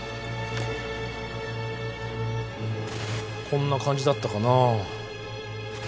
こんな感じだったかなぁ。